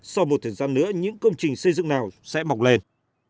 sau một thời gian nữa những công trình xây dựng nào sẽ mọc lên